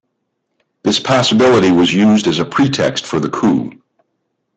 This possibility was used as a pretext for the coup.